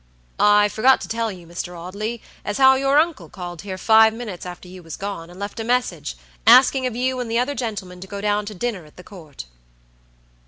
"I forgot to tell you, Mr. Audley, as how your uncle called here five minutes after you was gone, and left a message, asking of you and the other gentleman to go down to dinner at the Court."